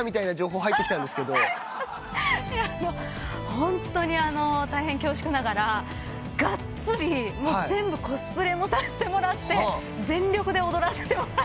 ホントに大変恐縮ながらがっつり全部コスプレもさせてもらって全力で踊らせてもらいました。